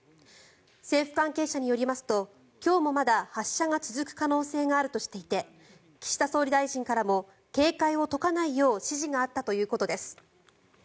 政府関係者によりますと今日もまだ発射が続く可能性があるとしていて岸田総理大臣からも警戒を解かないよう指示があったということです。